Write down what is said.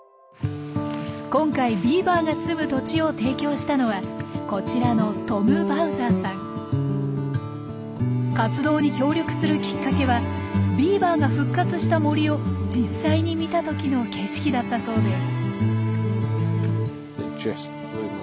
今回ビーバーが住む土地を提供したのはこちらの活動に協力するきっかけはビーバーが復活した森を実際に見た時の景色だったそうです。